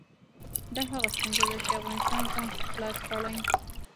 دا هغه ستونزه ده چې افغانستان ځان خلاص کړي.